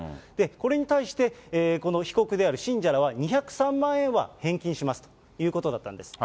これに対してこの被告である信者らは、２０３万円は返金しますということだったんです。